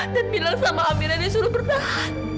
dan bilang sama amirah dia suruh berdahan